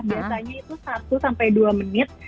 biasanya itu satu sampai dua menit